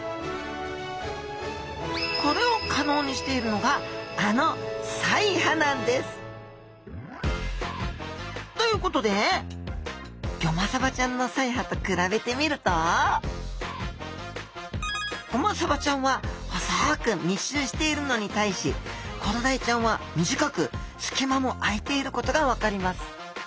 これを可能にしているのがあの鰓耙なんです。ということでゴマサバちゃんの鰓耙と比べてみるとゴマサバちゃんは細く密集しているのに対しコロダイちゃんは短く隙間も空いていることが分かります。